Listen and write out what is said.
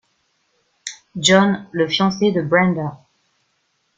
John, le fiancé de Brenda.